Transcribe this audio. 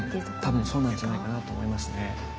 多分そうなんじゃないかなと思いますね。